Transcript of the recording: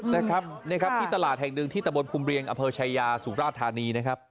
นะครับนี่ครับที่ตลาดแห่งหนึ่งที่ตะบนภูมิเรียงอำเภอชายาสุราธานีนะครับ